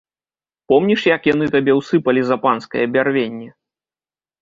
Помніш, як яны табе ўсыпалі за панскае бярвенне?